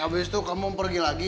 abis itu kamu pergi lagi